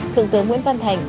thượng tướng nguyễn văn thành